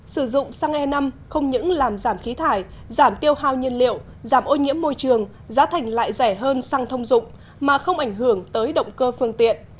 sử dụng xăng e năm không những làm giảm khí thải giảm tiêu hao nhiên liệu giảm ô nhiễm môi trường giá thành lại rẻ hơn sang thông dụng mà không ảnh hưởng tới động cơ phương tiện